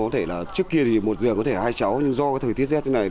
trước kia một giường có thể hai trẻ học sinh nhưng do thời tiết rét thế này